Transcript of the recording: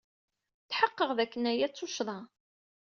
Tḥeqqeɣ dakken aya d tuccḍa.